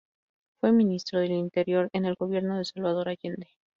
Fue ministro del Interior en el gobierno de Salvador Allende.